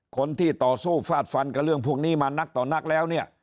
คนที่ต่อสู้ฟาดฟันกับเรื่องพวกนี้มานักต่อนักแล้วเนี่ย